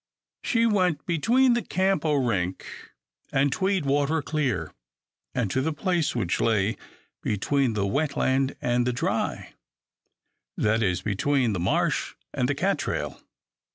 She went "Between the Camp o' Rink And Tweed water clear," and to the place which lay "Between the wet land and the dry," that is, between the marsh and the Catrail.